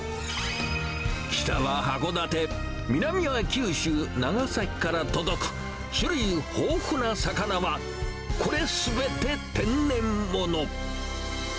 北は函館、南は九州・長崎から届く、種類豊富な魚は、これすべて天然物。